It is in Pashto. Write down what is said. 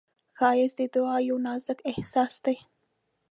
ښایست د دعا یو نازک احساس دی